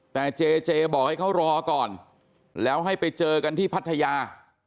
แต่เจเจบอกให้เขารอก่อนแล้วให้ไปเจอกันที่พัทยา